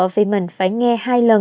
vì mình phải nghe hai lần